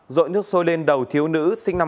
rội nước sôi lên đầu thiếu nữ sinh năm hai nghìn năm